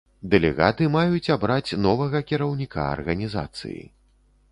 Дэлегаты маюць абраць новага кіраўніка арганізацыі.